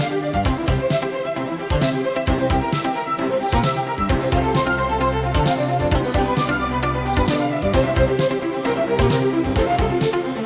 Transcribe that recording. hẹn gặp lại